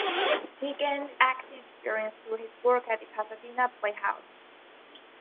He gained acting experience through his work at the Pasadena Playhouse.